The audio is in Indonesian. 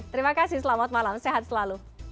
terima kasih selamat malam sehat selalu